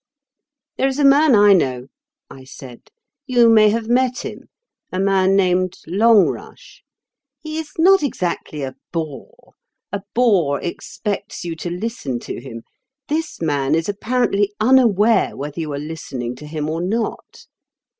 "There is a man I know," I said; "you may have met him, a man named Longrush. He is not exactly a bore. A bore expects you to listen to him. This man is apparently unaware whether you are listening to him or not.